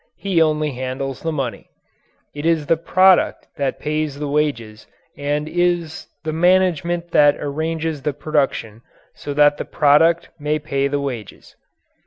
He only handles the money. It is the product that pays the wages and it is the management that arranges the production so that the product may pay the wages.